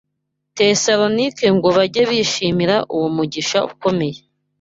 Tesalonike ngo bajye bishimira uwo mugisha ukomeye